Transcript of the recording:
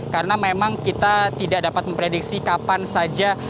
karena memang kita tidak dapat memprediksi kapan saja